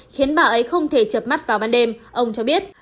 khiến bà ấy không thể chập mắt vào ban đêm ông cho biết